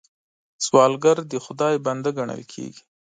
سوالګر د خدای بنده ګڼل کېږي